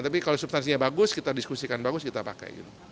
tapi kalau substansinya bagus kita diskusikan bagus kita pakai gitu